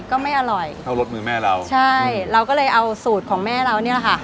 ก็ไม่อร่อยเท่ารสมือแม่เราใช่เราก็เลยเอาสูตรของแม่เรานี่แหละค่ะ